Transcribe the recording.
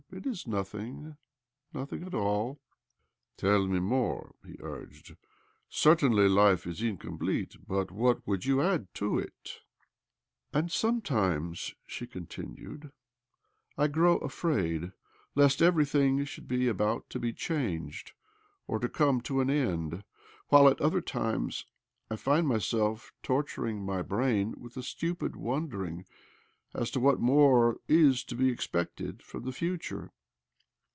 It is nothirig —nothing at all." "trell me mbref'"he urged, " Certainly life is incomplete, but what would you add to it ?" OBLOMOV 255 " And sometimes," she continued, " I grow afraid lest everything should be about to be changed, or to come to an end ; while at other times I find myself torturing my brain with a stupid wondering as to what more is to be , expected from the future.